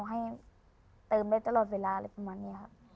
เพื่อที่จะได้เติมได้ตลอดเวลาเลยประมาณนี้ครับ